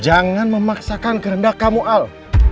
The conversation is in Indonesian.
jangan memaksakan kehendak kamu al